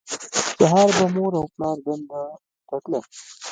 سهار به مور او پلار دندو ته تلل